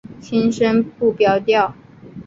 轻声不标调。